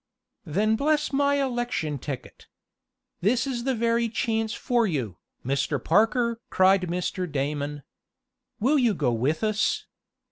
"Then bless my election ticket! This is the very chance for you, Mr. Parker!" cried Mr. Damon. "Will you go with us?